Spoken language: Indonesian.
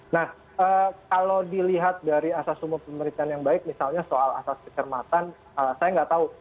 nah kalau dilihat dari asas umum pemerintahan yang baik misalnya soal asas kecermatan saya nggak tahu